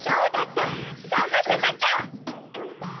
さがさなきゃ！